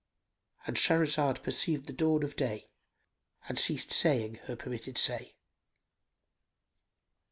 ——And Shahrazad perceived the dawn of day and ceased saying her permitted say.